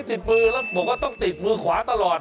ติดมือแล้วบอกว่าต้องติดมือขวาตลอด